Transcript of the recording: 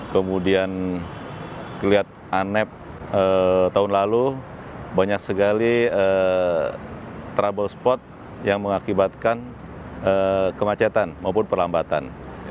kemudian kelihatan tahun lalu banyak sekali trouble spot yang mengakibatkan kemacetan maupun perlambatan